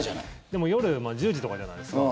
でも夜１０時とかじゃないですか。